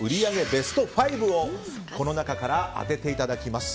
ベスト５をこの中から当てていただきます。